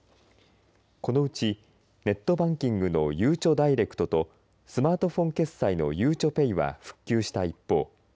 このうちネットバンキングのゆうちょダイレクトとスマートフォン決済のゆうちょＰａｙは復旧した一方